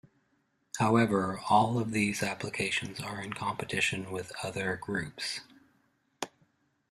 However, all of these applications are in competition with other groups.